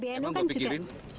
desert tak drugiej sepasang